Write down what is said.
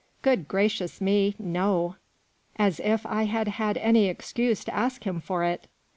good gracious me, no ! As if I had had any excuse to ask him for it